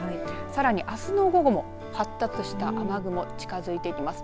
さらにあすの午後も発達した雨雲近づいてきます。